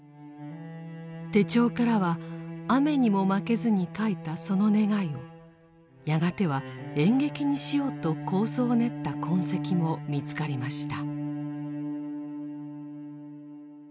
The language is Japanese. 手帳からは「雨ニモマケズ」に書いたその願いをやがては演劇にしようと構想を練った痕跡も見つかりました。